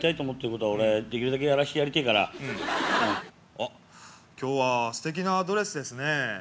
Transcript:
あっ今日はすてきなドレスですね。